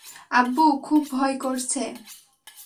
আব্বু, খুব ভয় করছে!